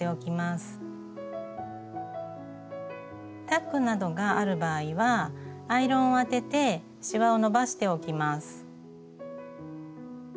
タックなどがある場合はアイロンを当ててしわを伸ばしておきます。